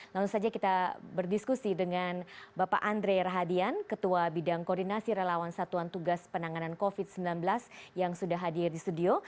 lalu saja kita berdiskusi dengan bapak andre rahadian ketua bidang koordinasi relawan satuan tugas penanganan covid sembilan belas yang sudah hadir di studio